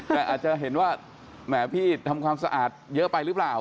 แต่อาจจะเห็นว่าแหมพี่ทำความสะอาดเยอะไปหรือเปล่า